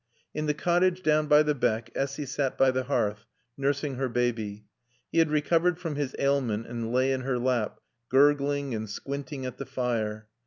In the cottage down by the beck Essy sat by the hearth, nursing her baby. He had recovered from his ailment and lay in her lap, gurgling and squinting at the fire.